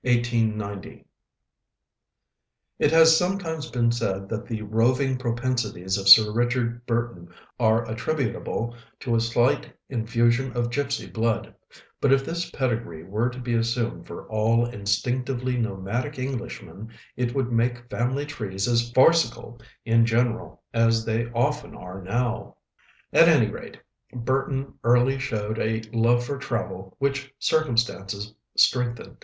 BURTON (1821 1890) It has sometimes been said that the roving propensities of Sir Richard Burton are attributable to a slight infusion of gipsy blood; but if this pedigree were to be assumed for all instinctively nomadic Englishmen, it would make family trees as farcical in general as they often are now. At any rate, Burton early showed a love for travel which circumstances strengthened.